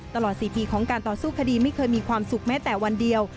ตลอด๔ปีของการต่อสู้คดีไม่เคยมีความสุขแม้แต่วันเดียว